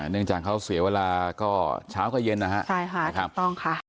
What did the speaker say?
เนื่องจากเขาเสียเวลาก็เช้าก็เย็น